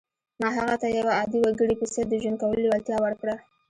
ما هغه ته د یوه عادي وګړي په څېر د ژوند کولو لېوالتیا ورکړه